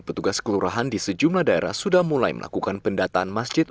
petugas kelurahan di sejumlah daerah sudah mulai melakukan pendataan masjid